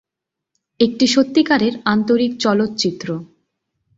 একটি সত্যিকারের আন্তরিক চলচ্চিত্র।